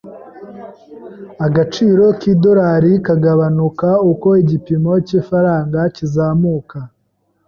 Agaciro k'idolari kagabanuka uko igipimo cy'ifaranga kizamuka.